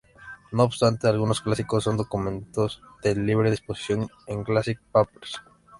No obstante, algunos "clásicos" son documentos de libre disposición en Classic papers.